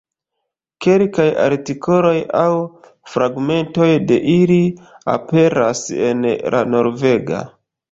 Kelkaj artikoloj aŭ fragmentoj de ili aperas en la Norvega.